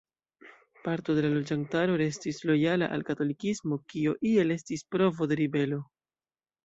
Parto de la loĝantaro restis lojala al katolikismo, kio iel estis provo de ribelo.